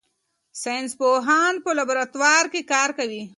ساینس پوهان په لابراتوار کې کار کوي.